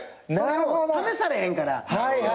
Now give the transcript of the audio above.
それを試されへんから。